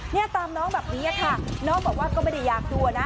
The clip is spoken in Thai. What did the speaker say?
เนี่ยตามน้องแบบนี้ค่ะน้องบอกว่าก็ไม่ได้อยากดูนะ